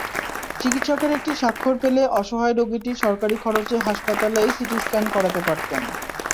চিকিৎসকের একটি স্বাক্ষর পেলে অসহায় রোগীটি সরকারি খরচে হাসপাতালেই সিটি স্ক্যান করাতে পারতেন।